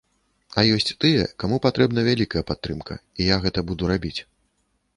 А ёсць тыя, каму патрэбна вялікая падтрымка, і я гэта буду рабіць.